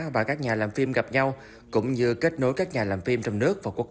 và các nhà làm phim gặp nhau cũng như kết nối các nhà làm phim trong nước và quốc tế